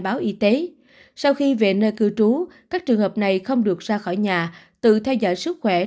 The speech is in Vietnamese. báo y tế sau khi về nơi cư trú các trường hợp này không được ra khỏi nhà tự theo dõi sức khỏe